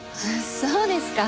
そうですか。